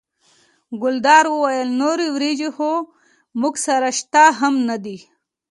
ګلداد وویل نورې وریجې خو موږ سره شته هم نه دي.